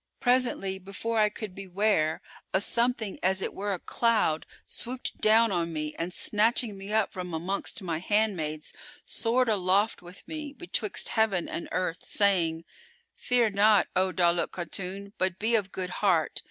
Presently, before I could be ware, a something as it were a cloud swooped down on me and snatching me up from amongst my handmaids, soared aloft with me betwixt heaven and earth, saying, 'Fear not, O Daulat Khatun, but be of good heart.